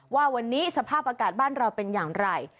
ว่าวันนี้สภาพอากาศบ้านเราเป็นอย่างไร